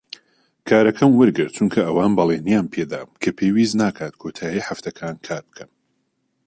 کارەکەم وەرگرت چونکە ئەوان بەڵێنیان پێ دام کە پێویست ناکات کۆتایی هەفتەکان کار بکەم.